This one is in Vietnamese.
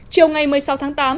chiều ngày một mươi sáu tháng tám